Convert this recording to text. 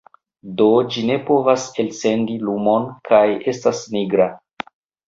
Do ĝi ne povas elsendi lumon kaj estas nigra.